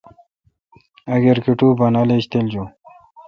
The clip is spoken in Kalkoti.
اگر کٹو بانال ایج تِل جون۔